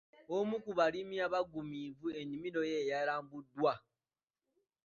Omu ku balimi abagundiivu ennimiro ye yalambuddwa.